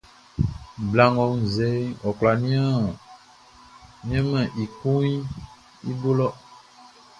Bla ngʼɔ wunnzɛʼn, ɔ kwlá nianmɛn i kuanʼn i bo lɔ.